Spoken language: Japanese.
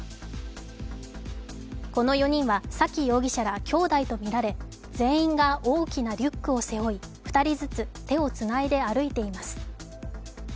この４人は沙喜容疑者らきょうだいとみられ、全員が大きなリュックを背負い、２人ずつ手をつないで歩いています